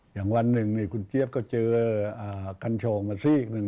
อย่างวันหนึ่งคุณเจี๊ยบก็เจอกัญชงมาซีกหนึ่ง